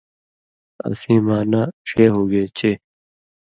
اسیں معنہ ݜے ہُوگے چے